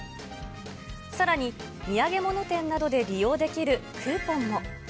さらに、土産物店などで利用できるクーポンも。